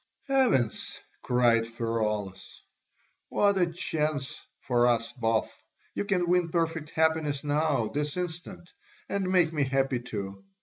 "Heavens!" cried Pheraulas, "what a chance for us both! You can win perfect happiness now, this instant, and make me happy too!